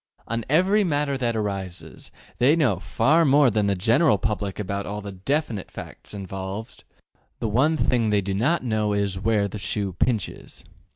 On every matter that arises, they know far more than the general public about all the DEFINITE facts involved; the one thing they do not know is ``where the shoe pinches.''